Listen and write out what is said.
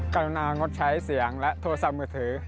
กรุณางดใช้เสียงและโทรศัพท์มือถือ